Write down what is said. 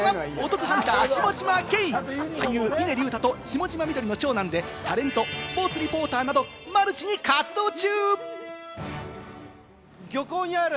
お得ハンター・下嶋兄、俳優・峰竜太と下嶋美どりの長男でタレント、スポーツリポーターなどマルチに活動中。